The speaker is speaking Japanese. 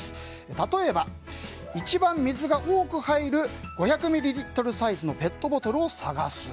例えば一番水が多く入る５００ミリリットルサイズのペットボトルを探す。